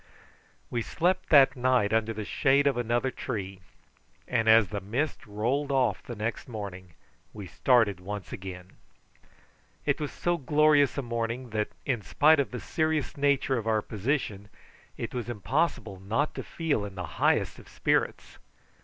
We slept that night under the shade of another tree, and as the mist rolled off the next morning we started once again. It was so glorious a morning that, in spite of the serious nature of our position, it was impossible not to feel in the highest of spirits.